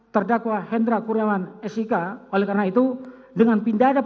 bersama dengan saksi arisaya